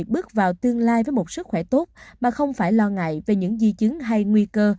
bước vào tương lai với một sức khỏe tốt mà không phải lo ngại về những di chứng hay nguy cơ